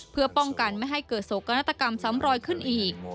เพื่อป้องกันไม่ให้เกิดโศกนาฏกรรมซ้ำรอยขึ้นอีก